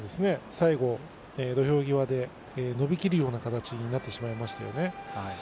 最後、土俵際で伸びきるような形になってしまいましたね。